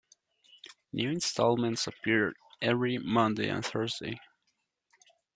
New installments appear every Monday and Thursday.